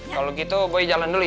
kalau gitu gue jalan dulu ya